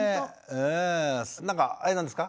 なんかあれなんですか？